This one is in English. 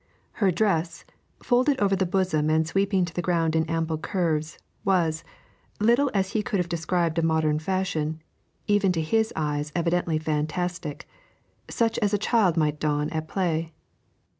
Her dress, folded over the full bosom and sweeping to the ground in ample curves, was, little as he could have described a modern fashion, even to his eyes evidently fantastic such as a child might don at play.